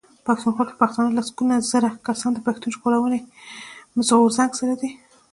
پښتونخوا کې پښتانه لسګونه زره کسان د پښتون ژغورني غورځنګ سره دي.